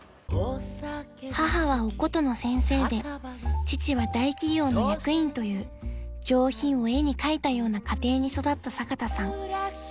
［母はお琴の先生で父は大企業の役員という上品を絵に描いたような家庭に育った坂田さん］